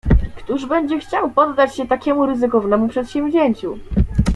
"Któż będzie chciał poddać się takiemu ryzykownemu przedsięwzięciu?"